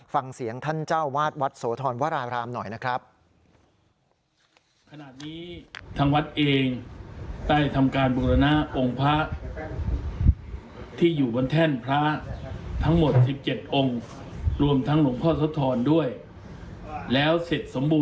ฟังเสียงท่านเจ้าวาดวัดโสธรวรารามหน่อยนะครับ